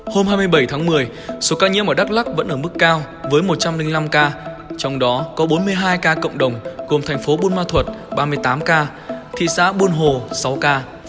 hôm hai mươi bảy tháng một mươi số ca nhiễm ở đắk lắc vẫn ở mức cao với một trăm linh năm ca trong đó có bốn mươi hai ca cộng đồng gồm thành phố buôn ma thuật ba mươi tám ca thị xã buôn hồ sáu ca